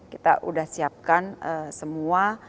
kita sudah siapkan semua